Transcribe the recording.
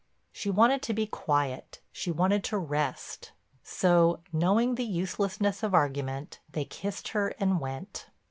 She wanted to be quiet; she wanted to rest. So, knowing the uselessness of argument, they kissed her and went.